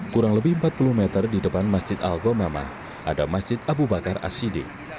kurang lebih empat puluh meter di depan masjid al gomamah ada masjid abu bakar asyidi